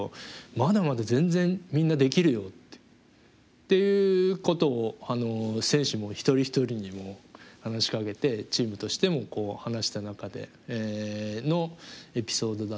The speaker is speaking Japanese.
っていうことを選手も一人一人にもう話しかけてチームとしても話した中でのエピソードだったかなと思います。